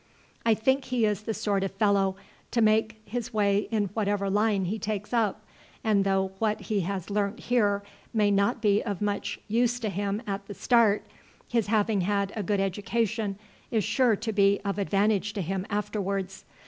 "I think he is the sort of fellow to make his way in whatever line he takes up, and though what he has learnt here may not be of much use to him at the start, his having had a good education is sure to be of advantage to him afterwards.